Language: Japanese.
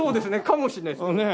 かもしれないですね。